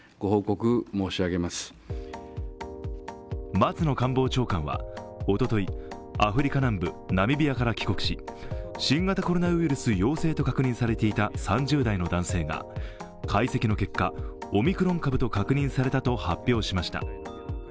松野官房長官はおととい、アフリカ南部ナミビアから帰国し新型コロナウイルス陽性と確認されていた３０代の男性が解析の結果、オミクロン株と確認されたと発表しました。